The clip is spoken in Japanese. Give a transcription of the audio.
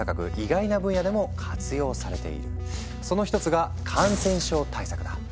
その一つが感染症対策だ。